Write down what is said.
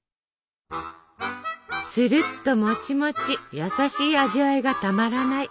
つるっともちもち優しい味わいがたまらない